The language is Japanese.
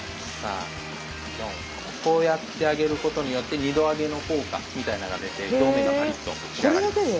こうやってあげることによって２度揚げの効果みたいなのが出て表面がパリッと仕上がります。